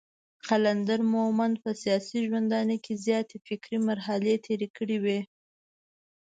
قلندر مومند په سياسي ژوندانه کې زياتې فکري مرحلې تېرې کړې وې.